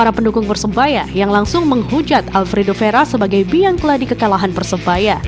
tapi ada pendukung persebaya yang langsung menghujat alfredo vera sebagai biang biang kelah di kekalahan persebaya